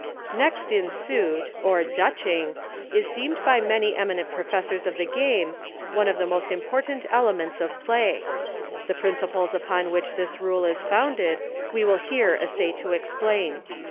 Next In Suit, or Dutching, is deemed by many eminent professors of the game one of the most important elements of play ; the principles upon which this rule is founded we will here essay to explain.